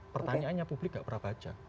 pertanyaannya publik gak pernah baca